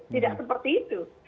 tidak seperti itu